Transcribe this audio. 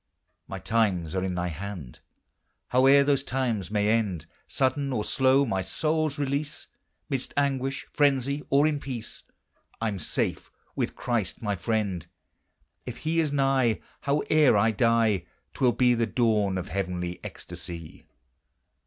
My times are in thy hand! Howe'er those times may end, Sudden or slow my soul's release, Midst anguish, frenzy, or in peace, I'm safe with Christ my friend. If he is nigh, Howe'er I die, 'T will be the dawn of heavenly ecstasy.